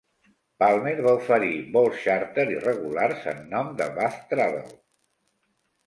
Palmair va oferir vols xàrter i regulars en nom de Bath Travel.